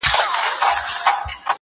• دا چي امیل نه سومه ستا د غاړي ,